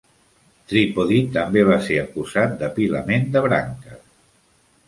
Tripodi també va ser acusat d'apilament de branca.